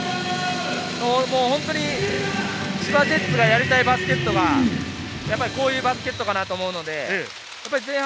千葉ジェッツがやりたいバスケットがこういうバスケットかなと思うので前半